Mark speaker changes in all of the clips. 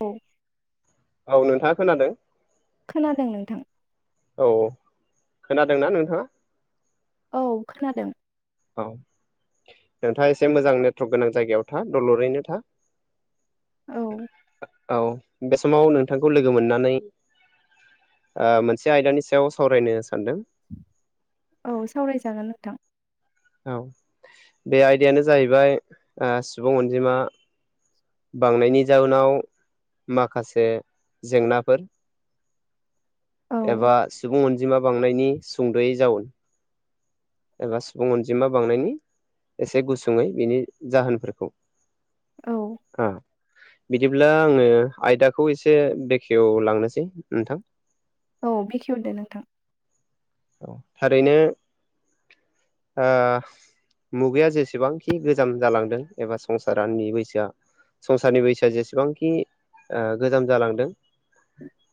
Speaker 1: औ
Speaker 2: औ नोंथाङा खोनादों।
Speaker 1: खोनादों नोंथां।
Speaker 2: औ खोनादोंना नोंथाङा?
Speaker 1: औ खोनादों।
Speaker 2: औ नोंथाङा एसे मोजां नेटवरक गोनां जायगायाव था दलरैनो था।
Speaker 1: औ
Speaker 2: औ बे समाव नोंथांखौ लोगो मोननानै मोनसे आयदानि सायाव सावरायनो सानदों।
Speaker 1: औ सावरायजागोन नोंथां।
Speaker 2: औ बे आयदायानो जाहैबाय सुबुं अनजिमा। बांनायनि जाउनाव माखासे जेंनाफोर
Speaker 1: औ
Speaker 2: एबा सुबुं अनजिमा बांनायनि सुंद'यै जाउन एबा सुबुं अनजिमा बांनायनि एसे गुसुङै बिनि जाहोनफोरखौ
Speaker 1: औ
Speaker 2: ओ बिदिब्ला आङो आयदाखौ एसे बेखेवलांनोसै नोंथां।
Speaker 1: औ बेखेवदो नोंथां।
Speaker 2: थारैनो मुगाया जेसेबांखि गोजाम जालांदों एबा संसारनि बैसोआ संसारनि बैसोआ जेसेबांखि गोजाम जालांदों।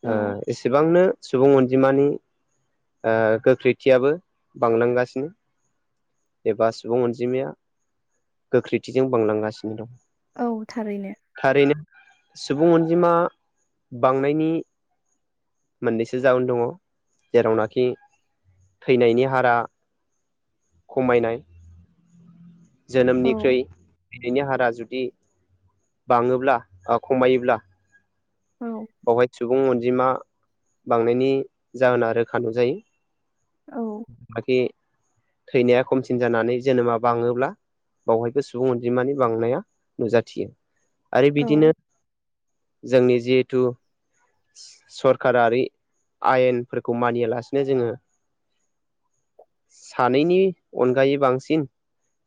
Speaker 1: औ
Speaker 2: एसेबांनो सुबुं अनजिमानि गोख्रैथियाबो बांलांगासिनो। एबा सुबुं अनजिमाया गोख्रैथिजों बांलांगासिनो दं।
Speaker 1: औ थारैनो
Speaker 2: थारैनो सुबुं अनजिमा बांनायनि मोननैसो जाहोन दङ जेरावनाखि थैनायनि हारा खमायनाय
Speaker 1: औ
Speaker 2: जोनोमनिख्रुइ थनायनि हारा जुदि बाङोब्ला खमायोब्ला
Speaker 1: औ
Speaker 2: बेवहाय सुबुं अनजिमा बांनायनि जाहोना रोखा नुजायो।
Speaker 1: औ
Speaker 2: बाखि थैनाया खमसिन जानानै जोनोमा बाङोब्ला बावहायबो सुबुं अनजिमानि बांनाया नुजाथियो। आरो
Speaker 1: औ
Speaker 2: बिदिनो जोंनि जिहेथु। सरकाराओ आयेनफोरखौ मानियालासिनो जोङो। सानैनि अनगायै बांसिन।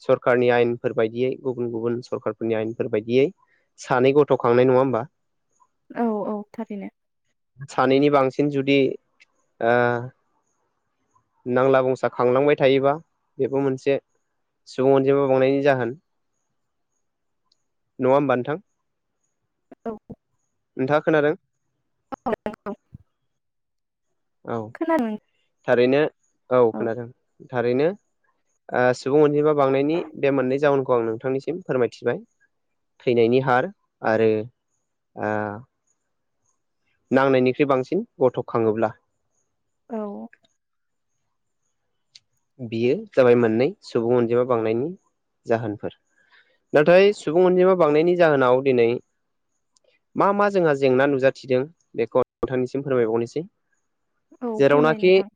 Speaker 2: सरखारारनि आयेनफोर बायदियै गुबुन गुबुन सरखारफोरनि आयेनफोर बायदियै। सानै गथ' खांनाय नङा होमबा?
Speaker 1: औ औ थारैनो।
Speaker 2: सानैनि बांसिन जुदि ओ नांला बंसा खांलांबाय थायोबा बेबो मोनसे सुबुं अनजिमा बावनायनि जाहोन नङा होमबा नोंथां।
Speaker 1: औ
Speaker 2: नोंथाङा खोनादों?
Speaker 1: औ
Speaker 2: औ
Speaker 1: खोनादों।
Speaker 2: थारैनो औ खोनादों थारैनो सुबुं अनजिमा बांनायनि बे मोननै जाउनखौ आं नोंथांनिसिम फोरमायथिबाय थैनायनि हार आरो आ नांनायनिख्रुइ बांसिन गथ' खाङोब्ला
Speaker 1: औ
Speaker 2: बियो जाबाय मोननै सुबुं अनजिमा बांनायनि जाहोनफोर नाथाय सुबुं अनजिमा बांनायनि जाहोनाव दिनै मा मा जोंहा जेंना नुजाथिदों बेखौ नोंथांनिसिम फोरमायबावनोसै
Speaker 1: औ फोरमाय
Speaker 2: जेरावनाखि
Speaker 1: नोंथां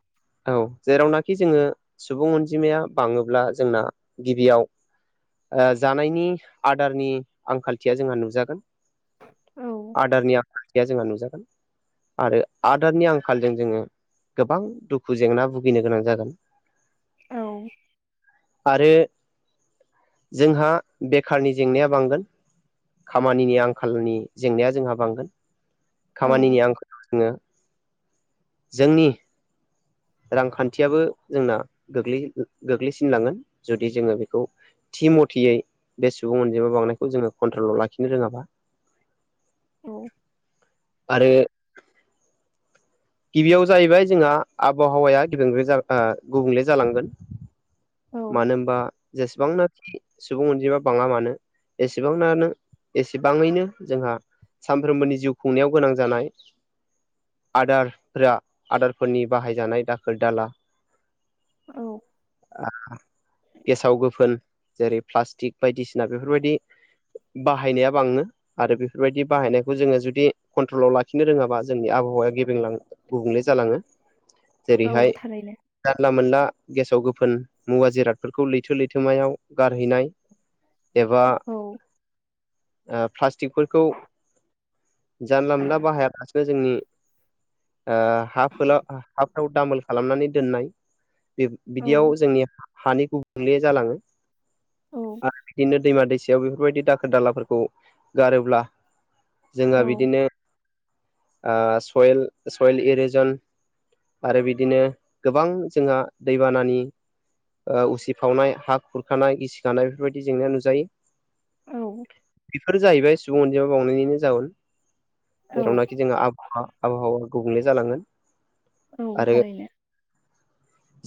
Speaker 2: औ जेरावनाखि जोंङो सुबुं अनजिमाया बाङोब्ला जोंना गिबियाव जानायनि आदारनि आंखालथिया जोंहा नुजागोन
Speaker 1: औ
Speaker 2: आदारनि आया जोंहा नुजागोन आरो आदारनि आंखालजों जोंङो गोबां दुखु जेंना भुगिनो गोनां जागोन
Speaker 1: औ
Speaker 2: आरो जोंहा बेखारनि जेंनाया बांगोन खामानिनि आंखालनि जेंनाया जोंहा बांगोन
Speaker 1: औ
Speaker 2: खामानिनि आंखालाव जोंङो जोंनि रांखान्थियाबो जोंना गोग्लैसिन नांगोन जुदि जोंङो बेखौ थि मथयै बे सुबुं अनजिमा बांनायखौ जोंङो कन्ट्रलाव लाखिनो रोंङाबा
Speaker 1: औ
Speaker 2: आरो गिबियाव जाहैबाय जोंहा आबहावाया गिदे गुबुंले जालांगोन
Speaker 1: औ
Speaker 2: मानो होनबा जेसेबांना सुबुं अनजिमा बाङा मानो एसेबांानो एसेबाङैनो जोंहा सानफ्रोमबोनि जिउ खुंनायाव गोनां जानाय आदारफोरा आदारफोरनि बाहायजानाय दाखोर दाला
Speaker 1: औ
Speaker 2: अ गेसाव गोफोन जेरै प्लास्टिक बायदिसिना बेफोरबायदि बाहायनाया बाङो आरो बेफोरबायदि बाहायनायखौ जोंङो जुदि कन्ट्रलाव लाखिनो रोंङाबा जोंनि आबहावाया गेब्रेंलाङो गुबुंले जालांङो
Speaker 1: औ
Speaker 2: जेरैहाय
Speaker 1: थारैनो
Speaker 2: जानला मोनला गेसाव गोफोन मुवा जिरादफोरखौ लैथो लैथोमायाव गारहैनाय एबा
Speaker 1: औ औ
Speaker 2: प्लास्टिकफोरखौ जानला मोनला बाहायालासिनो जोंनि हा हाफ्राव दामोल खालामनानै दोननाय
Speaker 1: औ
Speaker 2: बिदियाव जोंनि हानि गुबुंले जालाङो आरो बिदिनो दैमा दैसायाव बेफोरबायदि दाखोर दालाफोरखौ गारोब्ला जोंहा बिदिनो सयेल सयेल एरिजन आरो बिदिनो गोबां जोंहा दैबानानि उसिफावनाय हा खुरखानाय गिसिखानाय बेफोरबायदि जेंनाया नुजायो
Speaker 1: औ
Speaker 2: बेफोर जाहैबाय सुबुं अनजिमा बांनायनिनो जाउन
Speaker 1: औ
Speaker 2: जेरावनाखि जोंहा आबहावा आबहावा गुबुंले जालांगोन
Speaker 1: औ
Speaker 2: आरो
Speaker 1: थारैनो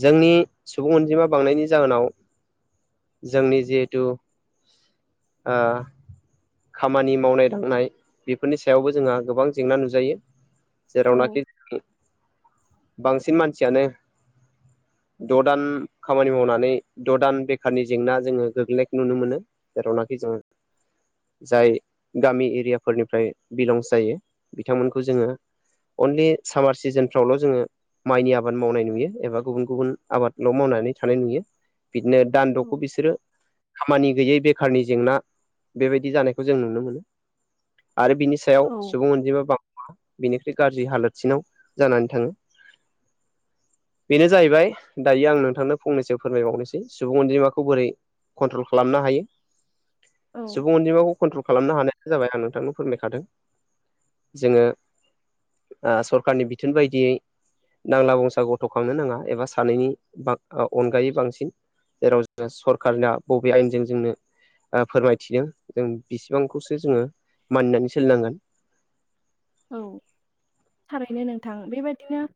Speaker 2: जोंनि सुबुं अनजिमा बांनायनि जाहोनाव जोंनि जिहेथु ओ खामानि मावनाय दांनाय बेफोरनि सायावबो जोंहा गोबां जेंना नुजायो
Speaker 1: औ
Speaker 2: जेरावनाखि बांसिन मानसियानो द' दान खामानि मावनानै द' दान बेखारनि जेंना जोङो गोग्लैनायखौ नुनो मोनो जेरावनाखि जों जाय गामि एरियाफोरनिफ्राय बिलंस जायो बिथांमोनखौ जोंङो अनलि सामार सिजोन फावल' जोंङो माइनि आबाद मावनाय नुयो एबा गुबुन गुबुन आबादल' मावनानै थानाय नुयो बिदिनो दानद'खौ बिसोरो खामानि गैयै बेखारनि जेंना बेबायदि जानायखौ जों नुनो मोनो आरो बिनि सायाव सुबुं अनजिमा बाङा बिनिख्रुइ गाज्रि हालोदसिनाव जानानै थाङो बेनो जाहैबाय दायो आं नोंथांनो फंनैसो फोरमायबावनोसै सुबुं अनजिमाखौ बोरै कन्ट्रल खालामनो हायो
Speaker 1: औ
Speaker 2: सुबुं अनजिमाखौ कन्ट्रल खालामनो हानाय जाबाय आं नोंथांनो फोरमायखादों जोङो सरखारनि बिथोन बायदियै नांला बंसा गथ' थ' खांनो नाङा एबा सानैनि अनगायै बांसिन जेराव जोङो सरखारनिया बबे आयेनजों जोंनो फोरमायथिदों जों बिसिबांखौसो जोङो मानिनानै सोलिनांगोन
Speaker 1: औ थारैनो नोंथां बेबादिनो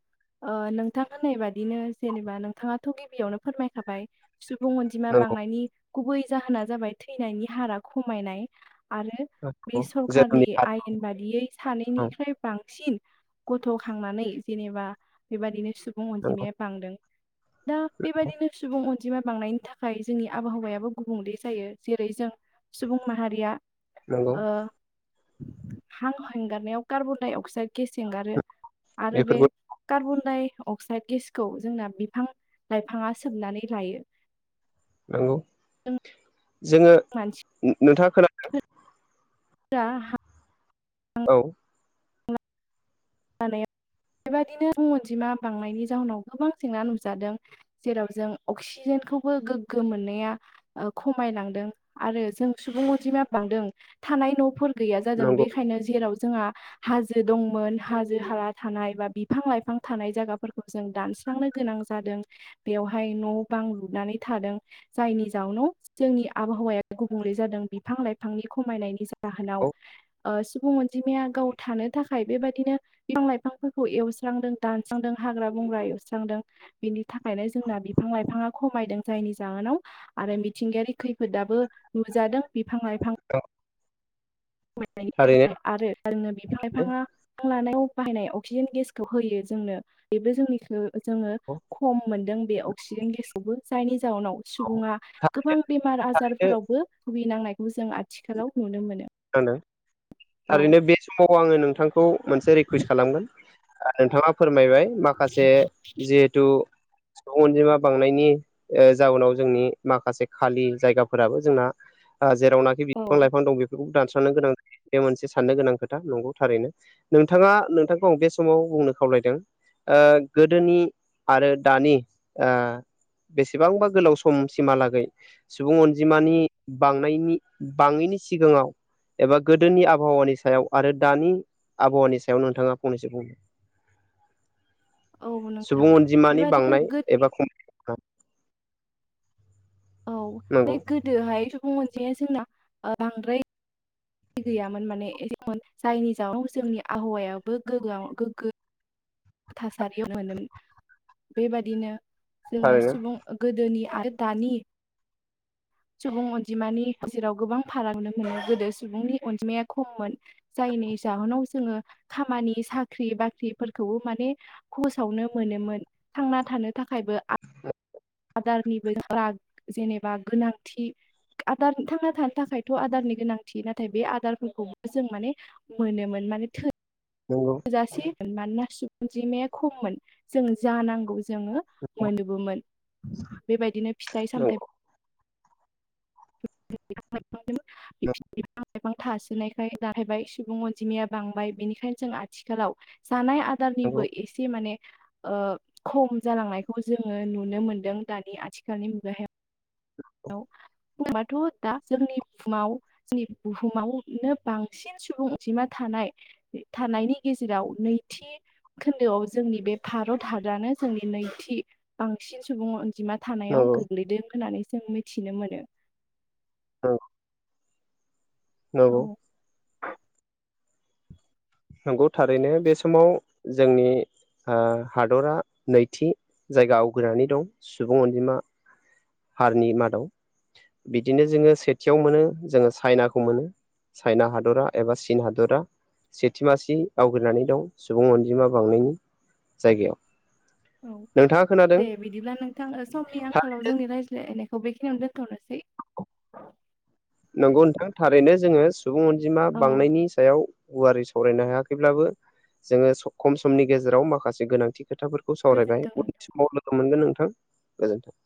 Speaker 1: ओ नोंथां होननाय बादिनो जेनेबा नोंथाङाथ' गिबियावनो फोरमायखाबाय सुबुं अनजिमा
Speaker 2: नंगौ
Speaker 1: बांनायनि गुबै जाहोना जाबाय थैनायनि हारा खमायनाय आरो
Speaker 2: नंगौ
Speaker 1: बे सरखारनि
Speaker 2: जोंनि
Speaker 1: आयेन बादियै सानै निफ्राय बांसिन गथ' खांनानै जेनेबा बेबायदिनो सु सुबुं
Speaker 2: नंगौ
Speaker 1: अनजिमाया बांदों
Speaker 2: [inaudible]
Speaker 1: दा बेबायदिनो सुबुं अनजिमा बांनायनि थाखाय जोंनि आबहावायाबो गुबुंले जायो जेरै जों सुबुं माहारिया
Speaker 2: नंगौ
Speaker 1: हां हंगारनायाव कार्बन डाइ अक्साइड गेस एंगारो आरो बेे
Speaker 2: बेफोरबो
Speaker 1: कार्बन दाइ अक्साइड गेसखौ जोंना बिफां लाइफाङा सोबनानै लायो
Speaker 2: नंगौ जोङो
Speaker 1: मानसि [unintelligible]
Speaker 2: नोंथाङा खोना
Speaker 1: [unintelligible]
Speaker 2: औ
Speaker 1: [unintelligible] जानायाव बेबायदिनो अनजिमा बांनायनि जाहोनाव गोबां जेंना नुजादों जेराव जों अक्सिजेनखौबो गोग्गो मोननाया खमायलांदों आरो जों सुबुं अनजिमाया बांदों थानाय न'फोर गैया जादों
Speaker 2: नंगौ
Speaker 1: बेखायनो जेराव जोंहा हाजो दंमोन हाजो हाला थानाय बा बिफां लाइफां थानाय जायगाफोरखौ जों दानस्रांनो गोनां जादों बेवहाय न' बां लुनानै थादों जायनि जाउनाव जोंनि आबहावाया गुबुंले जादों बिफां लाइफांनि खमायनायनि जाव
Speaker 2: औ
Speaker 1: जाहोनाव ओ सुबुं अनजिमाया गाव थानो थाखाय बेबाय दिनो बिफां लाइफांफोरखौ एवस्रांदों दानस्रांदों हाग्रा बंग्रा एवस्रांदों बेनि थाखायनो जोंना बिफां लाइफाङा खमायदों जायनि जाहोनाव आरो मिथिंगायारि खैफोदाबो नुजादों बिफां लाइफां
Speaker 2: [unintelligible]
Speaker 1: [unintelligible]
Speaker 2: थारैनो
Speaker 1: आरो जोंनो बिफां लाइफाङा हां लानायाव बाहायनाय अक्सिजेन गेसखौ होयो जोंनो बेबो जोंनिखौ जोङो
Speaker 2: औ
Speaker 1: खम मोनदों बे अक्सिजेन गेसखौबो जायनि जाहोनाव
Speaker 2: औ
Speaker 1: सुबुङा गोबां बेमार
Speaker 2: थारैनो
Speaker 1: आजारफोरावबो भुगिनांनायखौ जों आथिखालाव नुनो मोनो
Speaker 2: दों
Speaker 1: औ
Speaker 2: थारैनो बे बे समाव आङो नोंथांखौ मोनसे रिकुवेस्ट खालामगोन नोंथाङा फोरमायबाय माखासे जिहेतु अनजिमा बांनायनि जाउनाव जोंनि माखासे खालि जायगाफोराबो जोंना जेरावनाखि
Speaker 1: औ
Speaker 2: बिफां लाइफां दं बेफोरखौबो दानस्रांनो गोनां जायो बे मोनसे साननो गोनां खोथा नंगौ थारैनो नोंथाङा नोंथांखौ आं बे समाव बुंनो खावलायदों ओ गोदोनि आरो दानि ओ बेसेबांबा गोलाव समसिमहालागै सुबुं अनजिमानि बांनायनि बाङैनि सिगाङाव एबा गोदोनि आबहावानि सायाव आरो दानि आबहावानि सायाव नोंथाङा फंनैसो बुं।
Speaker 1: औ नोंथां
Speaker 2: सुबुं अनजिमानि
Speaker 1: बेबादिनो
Speaker 2: बांनाय
Speaker 1: गो
Speaker 2: एबा खम
Speaker 1: औ बे
Speaker 2: नंगौ
Speaker 1: गोदोहाय सुबुं अनजिमाया जोंना बांद्राय गैयामोन माने जायनि जाउनाव जोंनि आबहावायाबो गोगोआव गोगगो थासारियाव मोनोमोन बेबादिनो जोङो
Speaker 2: थारैनो
Speaker 1: सुबुं गोदोनि आरो दानि सुबुं अनजिमानि गेजेराव गोबां फाराग नुनो मोनो गोदो सुबुंनि अनजिमाया खममोन। जायनि जाहोनाव जोङो खामानि साख्रि बाख्रिफोरखौबो माने फोसावनो मोनोमोन थांना थानो थाखायबो आ आदारनिबो फाराग जेनेबा गोनां। थि आदार थांना थानो थाखायथ' आदारनि गोनांथि नाथाय बे आदारफोरखौबो जों माने मोनोमोन माने थो
Speaker 2: नंगौ
Speaker 1: जासै मानोना सुबुं अनजिमाया खममोन जों जानांगौ जोंङो मोनो मोन बेबायदिनो फिथाइ
Speaker 2: नंगौ
Speaker 1: सामथाय [unintelligible]
Speaker 2: [unintelligible]
Speaker 1: बिफां थासोनायखाय जाहैबाय सुबुं अनजिमाया बांबाय बेनिखायनो जों आथिखालाव जानाय आ
Speaker 2: नंगौ
Speaker 1: दारनिबो एसे माने ओ खम जालांनायखौ जोङो नुनो मोनदों। दानि आथिखालनि मुगायाव बुंबाथ' दा जोंनि भुमाव। जोंनि बुहुमावनो बांसिन सुबुं अजिमा थानाय थानायनि गेजेराव नैथि। खोन्दोआव जोंनि बे भारत हादरानो जोंनि नैथि बांसिन सुबुं अनजिमा। थानायाव
Speaker 2: नंगौ
Speaker 1: गोग्लैदो होननानै जों मिथिनो मोनो।
Speaker 2: औ। नंगौ
Speaker 1: औ
Speaker 2: नंगौ थारैनो बे समाव जोंनि ओ हादरा नैथि जायगा आवग्रिनानै दं सुबुं अनजिमा। हारनि मादाव बिदिनो जोङो सेथियाव मोनो जोङो चाइनाखौ मोनो। चाइना हादरा एबा चिन हादोरा। सेथि मासि आवग्रिनानै दं सुबुं अनजिमा बांनायनि जायगायाव।
Speaker 1: औ
Speaker 2: नोंथाङा
Speaker 1: दे
Speaker 2: खोनादों
Speaker 1: बिदिब्ला नोंथां ओ समनि आंखालाव जोंनि रायज्लायनायखौ बेखिनियावनो दोनथ'नोसै।
Speaker 2: नंगौ नोंथां थारैनो जोङो सुबुं अनजिमा
Speaker 1: औ
Speaker 2: बांनायनि सायाव गुवारै सावरायनो हायाखैब्लाबो जोङो खम समनि गेजेराव माखासे गोनांथि खोथाफोर खौ सावरायबाय
Speaker 1: गोजोन्थों।
Speaker 2: उननि समाव लोगो मोनगोन नोंथां गोजोन्थों।